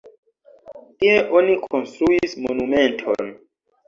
Tie oni konstruis monumenton.